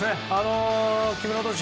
木村投手